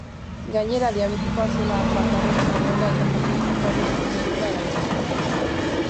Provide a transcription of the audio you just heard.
Gainera, diabetikoa zela, bakarrik zegoela eta jatekorik ez zuela erantsi zuen.